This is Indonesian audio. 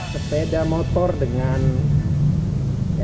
sepeda motor dengan